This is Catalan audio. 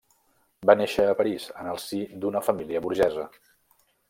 Va néixer a París, en el si d'una família burgesa.